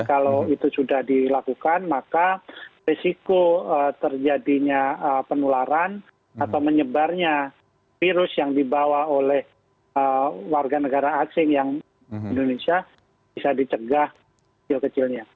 kalau itu sudah dilakukan maka risiko terjadinya penularan atau menyebarnya virus yang dibawa oleh warga negara asing yang indonesia bisa dicegah kecil kecilnya